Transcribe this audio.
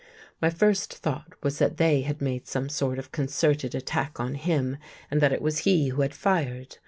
My first thought was that they had made some sort of concerted attack on him and that it was he who had fired.